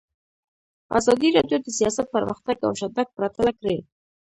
ازادي راډیو د سیاست پرمختګ او شاتګ پرتله کړی.